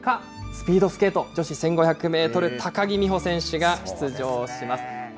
そして７日、スピードスケート女子１５００メートル、高木美帆選手が出場します。